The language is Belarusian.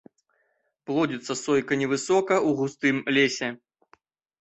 Плодзіцца сойка невысока ў густым лесе.